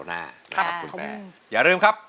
สวัสดีครับ